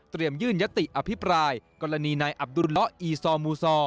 ยื่นยติอภิปรายกรณีนายอับดุลละอีซอมูซอ